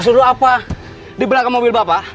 tadah mata naku naku